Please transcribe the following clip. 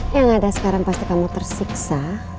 yang ada sekarang pasti kamu tersiksa